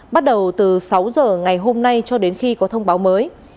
bắt đầu từ sáu giờ ngày hôm nay cho đến khi có thông báo mới